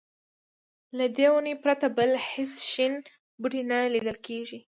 له دې ونې پرته بل هېڅ شین بوټی نه لیدل کېږي.